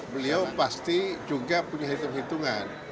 beliau pasti juga punya hitung hitungan